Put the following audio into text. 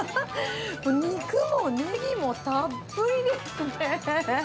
肉もネギもたっぷりですね。